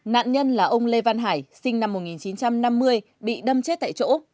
nạn nhân là ông lê văn hải sinh năm một nghìn chín trăm năm mươi bị đâm chết tại chỗ